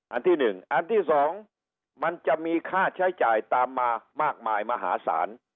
อันที่๑อันที่๒มันจะมีค่าใช้จ่ายตามมามากมายมหาศาล